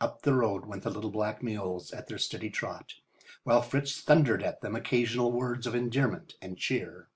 Up the road went the little black mules at their steady trot, while Fritz thundered at them occasional words of endearment and cheer.